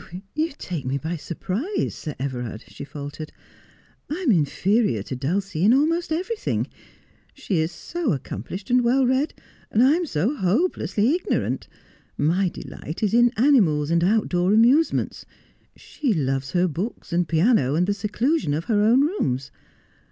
' You take me by surprise, Sir Everard,' she faltered. ' I am inferior to Dulcie in almost everything. She is so accom plished and well read. I am so hopelessly ignorant. My delight is in animals and out door amusements ; she loves her books and piano and the seclusion of her own rooms.